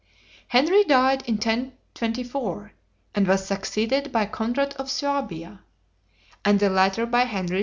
Henry died in 1024, and was succeeded by Conrad of Suabia; and the latter by Henry II.